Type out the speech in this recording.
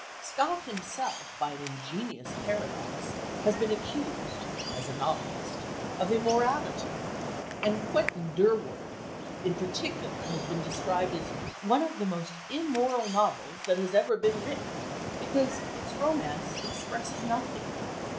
Scott himself, by an ingenious paradox, has been accused as a novelist of immorality, and Quentin Durward in particular described as "one of the most immoral novels that has even been written," because its romance expresses nothing.